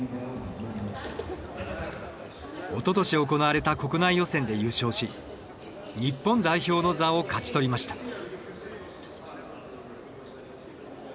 おととし行われた国内予選で優勝し日本代表の座を勝ち取りました。